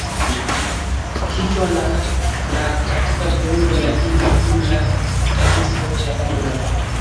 kichwa na katika viungo Lakini kwa jumla mitaguso yote ya Karne za